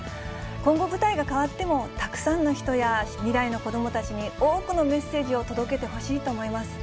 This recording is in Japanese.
今後、舞台が変わってもたくさんの人や未来の子どもたちに多くのメッセージを届けてほしいと思います。